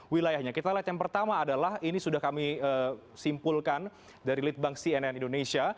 wilayahnya kita lihat yang pertama adalah ini sudah kami simpulkan dari litbang cnn indonesia